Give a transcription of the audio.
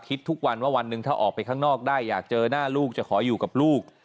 คิดทุกวันว่าวันหนึ่งถ้าออกไปข้างนอกได้อยากเจอหน้าลูกจะขออยู่กับลูก